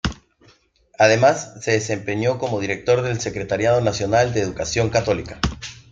Además se desempeñó como director del Secretariado Nacional de Educación Católica.